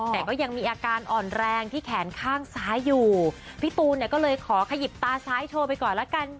แต่ก็ยังมีอาการอ่อนแรงที่แขนข้างซ้ายอยู่พี่ตูนเนี่ยก็เลยขอขยิบตาซ้ายโชว์ไปก่อนละกัน